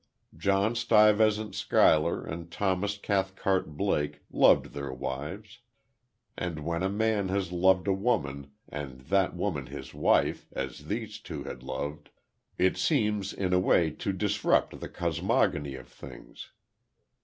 John Stuyvesant Schuyler and Thomas Cathcart Blake loved their wives; and when a man has loved a woman, and that woman his wife, as these two had loved, it seems in a way to disrupt the cosmogony of things.